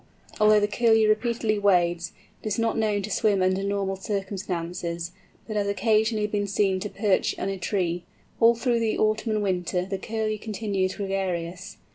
Although the Curlew repeatedly wades, it is not known to swim under normal circumstances, but has occasionally been seen to perch in a tree. All through the autumn and winter the Curlew continues gregarious.